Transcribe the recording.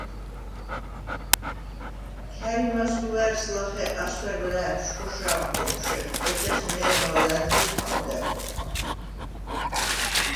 ქა̈რი მა̈ზგუვა̄̈რს ლახე ასვა̈რ ლა̄̈თშვ ხოშა̄მ ხოკვშეხ, ეჯას მე̄რმა ლა̈დღი ჰა̄ვდა̈რ ხოხა.